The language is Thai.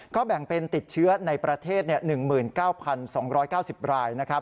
ก็แบ่งเป็นติดเชื้อในประเทศ๑๙๒๙๐ราย